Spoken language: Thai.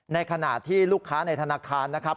ในขณะที่ลูกค้าในธนาคารนะครับ